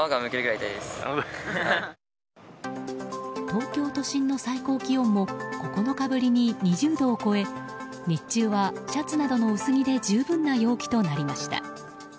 東京都心の最高気温も９日ぶりに２０度を超え日中はシャツなどの薄着で十分な陽気となりました。